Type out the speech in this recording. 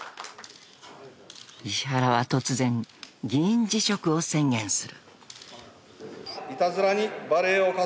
［石原は突然議員辞職を宣言する］